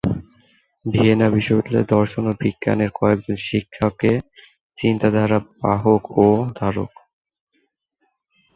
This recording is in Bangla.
ভিয়েনা বিশ্ববিদ্যালয়ের দর্শন ও বিজ্ঞানের কয়েকজন শিক্ষক এ-চিন্তাধারার বাহক ও ধারক।